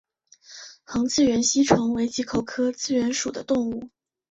鸻刺缘吸虫为棘口科刺缘属的动物。